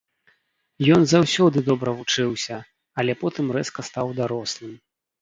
Ён заўсёды добра вучыўся, але потым рэзка стаў дарослым.